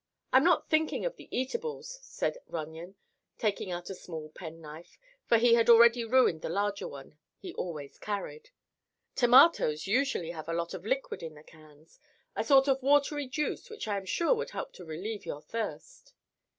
"I'm not thinking of the eatables," said Runyon, taking out a small pen knife, for he had already ruined the larger one he always carried. "Tomatoes usually have a lot of liquid in the cans, a sort of watery juice which I am sure would help to relieve your thirst."